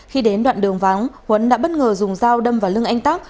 khi đến đoạn đường vắng huấn đã bất ngờ dùng dao đâm vào lưng anh tác